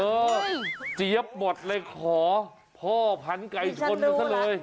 เออเจ๊ยบหมดเลยโขท์พ่อพันธุ์ไก่ชนเฉลย